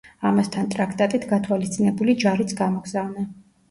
ამასთან ტრაქტატით გათვალისწინებული ჯარიც გამოგზავნა.